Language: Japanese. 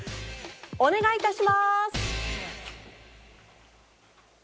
お願い致します。